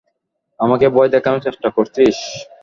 আমাকে ভয় দেখানোর চেষ্টা করছিস?